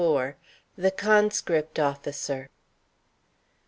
THE CONSCRIPT OFFICER.